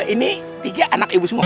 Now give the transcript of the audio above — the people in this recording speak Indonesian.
ini tiga anak ibu semua